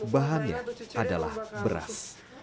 bahannya adalah beras